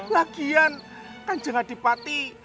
lagian kan jangan dipati